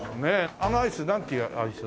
あのアイスなんていうアイス？